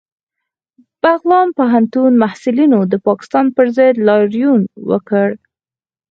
بغلان پوهنتون محصلینو د پاکستان پر ضد لاریون وکړ